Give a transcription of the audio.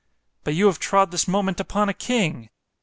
—But you have trod this moment upon a king.